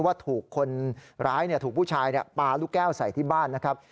ว่าถูกคนร้ายถูกผู้ชายปลาลูกแก้วใส่ที่บ้านนะครับ